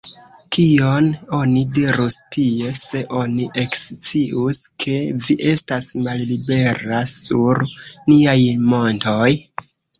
Kion oni dirus tie, se oni ekscius, ke vi estas mallibera sur niaj montoj?